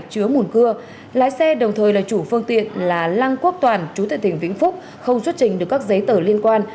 chứa mùn cưa lái xe đồng thời là chủ phương tiện là lăng quốc toàn chú tệ tỉnh vĩnh phúc không xuất trình được các giấy tờ liên quan